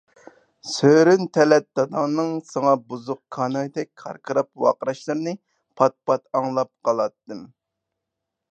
سۆرۈن تەلەت داداڭنىڭ ساڭا بۇزۇق كانايدەك كاركىراپ ۋارقىراشلىرىنى پات-پات ئاڭلاپ قالاتتىم.